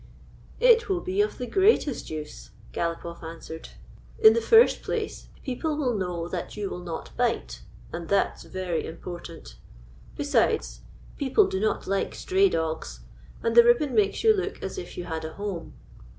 " It will be of the greatest use," Galopoff an swered. "In the first place, people will know that you will not bite, and that s very important. Besides, people do not like stray dogs, and the ribbon makes you look as if you had a home."